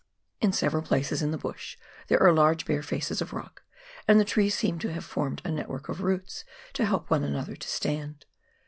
In several places in the bush, there are large bare faces of rock, and the trees seem to have formed a network of roots to help one another to stand.